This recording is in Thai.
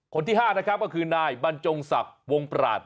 คนที่๕นะครับก็คือนายบรรจงศักดิ์วงปราศ